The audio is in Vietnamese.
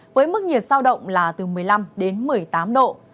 với mức nhiệt sao động là từ một mươi năm đến một mươi tám độ